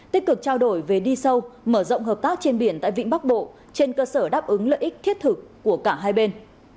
tích cực trao đổi về đi sâu mở rộng hợp tác trên biển tại vĩnh bắc bộ trên cơ sở đáp ứng lợi ích thiết thực của cả hai bên